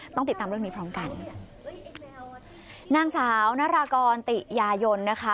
ต้องติดตามเรื่องนี้พร้อมกันนางสาวนารากรติยายนนะคะ